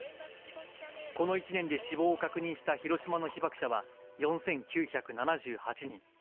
この１年で死亡を確認した広島の被爆者は４９７８人。